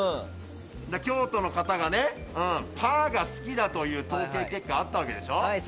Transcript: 京都の方が、パーが好きだという統計結果があったわけでしょ。